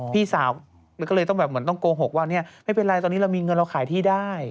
พี่สาวก็เลยต้องโกหกว่าไม่เป็นไรตอนนี้เรามีเงินเราขายที่ได้